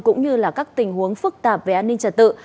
cũng như các tình huống phức tạp về an ninh trật tự